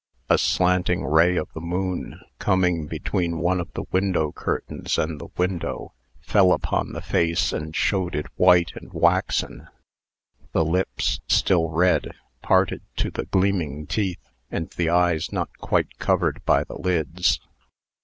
A slanting ray of the moon, coming between one of the window curtains and the window, fell upon the face, and showed it white and waxen; the lips, still red, parted to the gleaming teeth; and the eyes not quite covered by the lids.